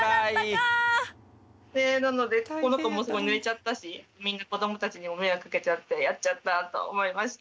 なのでこの子もすごいぬれちゃったし子どもたちにも迷惑かけちゃって「やっちゃった！」と思いました。